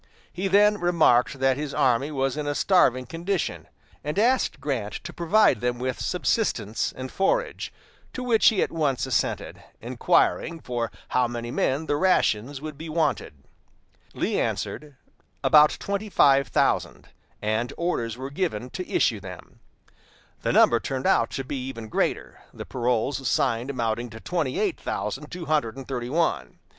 He then remarked that his army was in a starving condition, and asked Grant to provide them with subsistence and forage; to which he at once assented, inquiring for how many men the rations would be wanted. Lee answered, "About twenty five thousand"; and orders were given to issue them. The number turned out to be even greater, the paroles signed amounting to twenty eight thousand two hundred and thirty one.